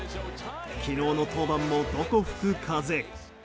昨日の登板もどこ吹く風。